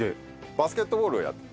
バスケットボールをやってて。